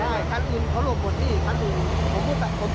ใช่คันอื่นเขาหลบหมดอีกคันอื่น